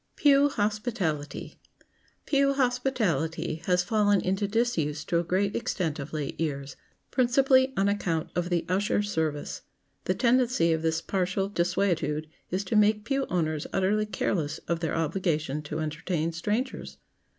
[Sidenote: PEW HOSPITALITY] Pew hospitality has fallen into disuse to a great extent of late years, principally on account of the usher service. The tendency of this partial desuetude is to make pew owners utterly careless of their obligation to entertain strangers.